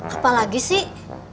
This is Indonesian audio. apa lagi sih